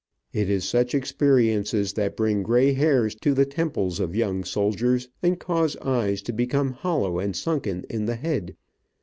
It is such experiences that bring gray hairs to the temples of young soldiers, and cause eyes to become hollow and sunken in the head.